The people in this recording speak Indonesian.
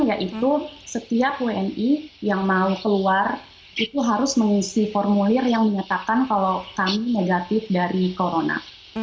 yaitu setiap wni yang mau keluar itu harus mengisi formulir yang menyatakan kalau kami negatif dari corona